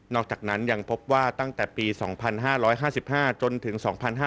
อกจากนั้นยังพบว่าตั้งแต่ปี๒๕๕๕จนถึง๒๕๕๙